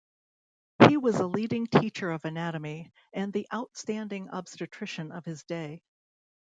He was a leading teacher of anatomy, and the outstanding obstetrician of his day.